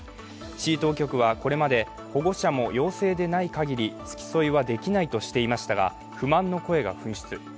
市当局はこれまで保護者も陽性でないかぎり付き添いはできないとしていましたが、不満の声が噴出。